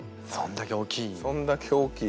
そんだけ大きい？